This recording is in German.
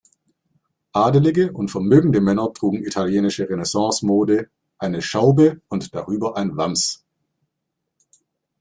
Adelige und vermögende Männer trugen italienische Renaissance-Mode, eine Schaube und darüber ein Wams.